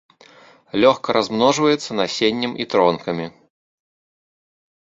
Лёгка размножваецца насеннем і тронкамі.